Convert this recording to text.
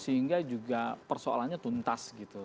sehingga juga persoalannya tuntas gitu